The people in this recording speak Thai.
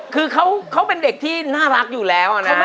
คือเขาเป็นเด็กที่น่ารักอยู่แล้วนะ